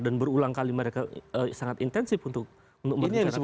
dan berulang kali mereka sangat intensif untuk merencanakan